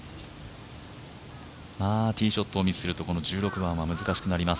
ティーショットをミスするとこの１６番は難しくなります。